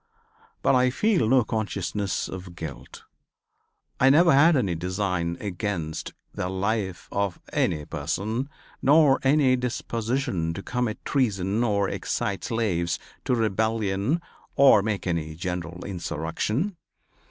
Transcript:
But I feel no consciousness of guilt. I never had any design against the life of any person, nor any disposition to commit treason or excite slaves to rebellion or make any general insurrection.